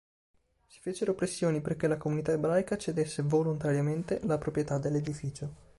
Si fecero pressioni perché la comunità ebraica cedesse "volontariamente" la proprietà dell'edificio.